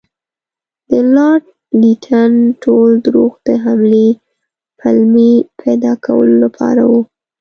د لارډ لیټن ټول دروغ د حملې پلمې پیدا کولو لپاره وو.